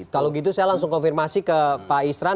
kalau gitu saya langsung konfirmasi ke pak isran